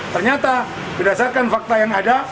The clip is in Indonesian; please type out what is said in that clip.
ternyata berdasarkan fakta yang ada